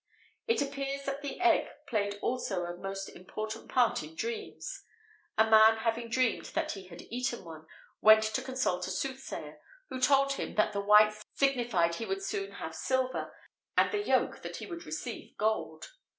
It appears that the egg played also a most important part in dreams. A man having dreamed that he had eaten one, went to consult a soothsayer, who told him that the white signified he would soon have silver, and the yolk that he would receive gold.